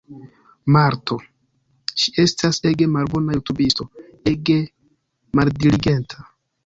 Marto. Ŝi estas ege malbona jutubisto, ege maldiligenta